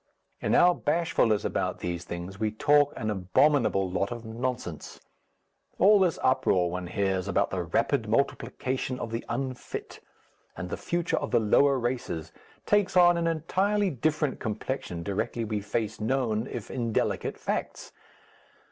In our bashfulness about these things we talk an abominable lot of nonsense; all this uproar one hears about the Rapid Multiplication of the Unfit and the future of the lower races takes on an entirely different complexion directly we face known, if indelicate, facts.